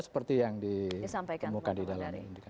seperti yang ditemukan di dalam